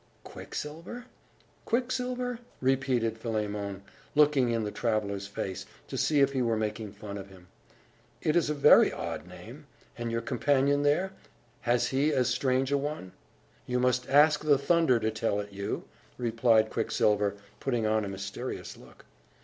"Quicksilver? Quicksilver?" repeated Philemon, looking in the traveller's face, to see if he were making fun of him. "It is a very odd name! And your companion there? Has he as strange a one?" "You must ask the thunder to tell it you!" replied Quicksilver, putting on a mysterious look.